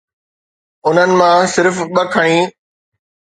انهن مان صرف ٻه کٽي